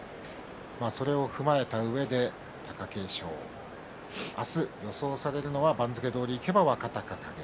それを踏まえたうえで貴景勝明日予想されるのは番付どおりいけば若隆景。